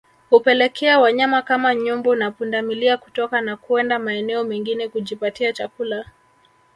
Hupelekea wanyama kama nyumbu na pundamilia kutoka na kuenda maeneo mengine kujipatia chakula